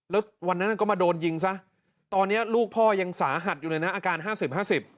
แล้ววันนั้นก็มาโดนยิงซะตอนเนี้ยลูกพ่อยังสาหัสอยู่เลยนะอาการห้าสิบห้าสิบ